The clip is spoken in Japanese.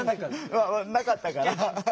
なかったから。